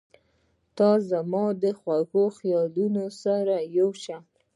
• ته زما د خوږ خیال سره یوه شوې.